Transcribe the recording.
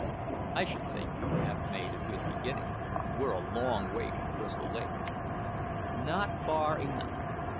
"I should say you had made a good beginning. We're a long way from Crystal Lake." "Not far enough."